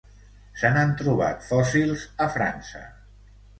Se n'han trobat fòssils a França.